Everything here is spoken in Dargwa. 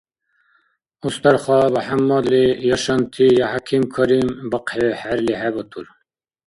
Устарха БяхӀяммадли я шанти я хӀяким-карим бахъхӀи хӀерли хӀебатур.